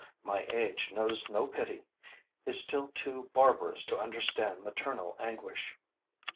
My age knows no pity, is still too barbarous to understand maternal anguish.